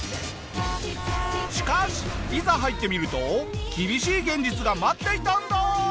しかしいざ入ってみると厳しい現実が待っていたんだ！